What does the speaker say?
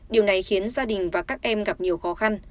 điều này khiến gia đình và các em gặp nhiều khó khăn